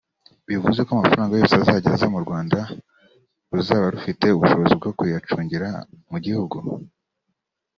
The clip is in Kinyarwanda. Bivuze ko amafaranga yose azajya aza mu Rwanda ruzaba rufite ubushobozi bwo kuyacungira mu gihugu